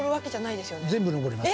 全部上ります。